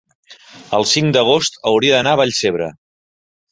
el cinc d'agost hauria d'anar a Vallcebre.